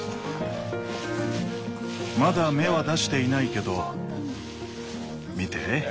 まだ芽は出していないけど見て。